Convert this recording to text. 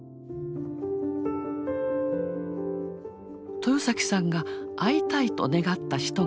豊さんが会いたいと願った人がいます。